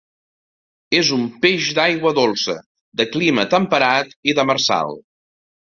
És un peix d'aigua dolça, de clima temperat i demersal.